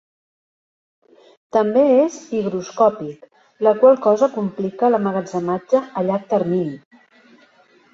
També és higroscòpic, la qual cosa complica l'emmagatzematge a llarg termini.